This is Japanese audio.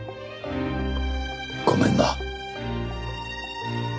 ごめんな。